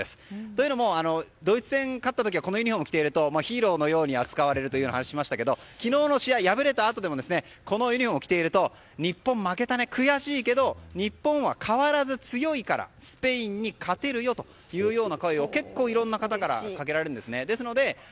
というのもドイツ戦に勝ったあとはこのユニホームを着ているとヒーローのように扱われると話をしましたけど昨日の試合に敗れたあとでもこのユニホームを着ていると日本、負けたね悔しいけど日本は変わらず強いからスペインに勝てるよという声を結構いろんな方からかけられるんですね。